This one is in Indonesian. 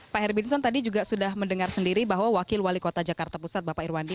pak herbinson tadi juga sudah mendengar sendiri bahwa wakil wali kota jakarta pusat bapak irwandi